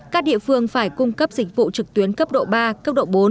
các địa phương phải cung cấp dịch vụ trực tuyến cấp độ ba cấp độ bốn